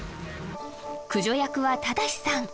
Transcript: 駆除役は周士さん